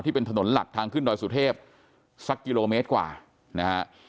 เป็นถนนหลักทางขึ้นดอยสุเทพสักกิโลเมตรกว่านะฮะ